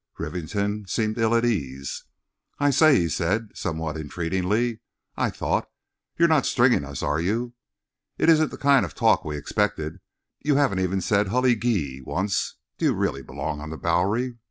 Rivington seemed ill at ease. "I say," he said—somewhat entreatingly, "I thought—you're not stringing us, are you? It isn't just the kind of talk we expected. You haven't even said 'Hully gee!' once. Do you really belong on the Bowery?"